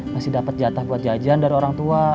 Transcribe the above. masih dapat jatah buat jajan dari orang tua